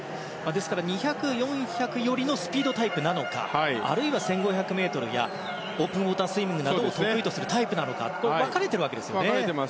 ですから２００ｍ４００ｍ寄りのスピードタイプなのかあるいは１５００ｍやオープンウォータースイミングなどを得意とするタイプなのか分かれているわけですね。